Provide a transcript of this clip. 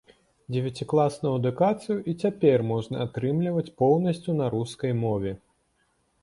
Дзевяцікласную адукацыю і цяпер можна атрымліваць поўнасцю на рускай мове.